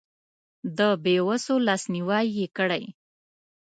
د بې وسو لاسنیوی یې کړی.